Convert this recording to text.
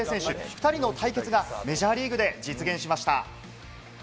２人の対決がメジャーリーグで実現しました。